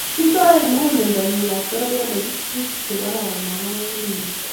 tingdoi eng' muguleldonyi laitoriande tetutik che kororon akobo emet nyin